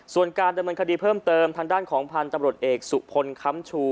ส่วนการดำเนินคดีเพิ่มเติมทางด้านของพันธุ์ตำรวจเอกสุพลค้ำชู